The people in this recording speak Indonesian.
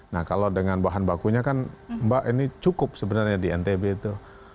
nah kalau dengan bahan bakunya kan mbak ini cukup sebenarnya di ntb itu